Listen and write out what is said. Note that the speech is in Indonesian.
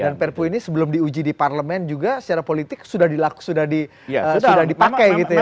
dan perpu ini sebelum diuji di parlemen juga secara politik sudah dipakai gitu ya